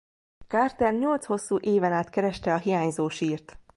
Carter nyolc hosszú éven át kereste a hiányzó sírt.